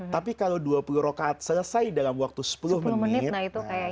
tapi kalau dua puluh rokaat selesai dalam waktu sepuluh menit